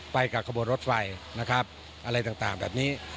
ไปกับขบวนรถไฟนะครับอะไรต่างแบบนี้